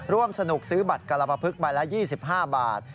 ร่วมสนุกซื้อบัตรกรปภึกใบละ๒๕บาท